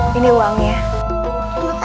mana uang keamanannya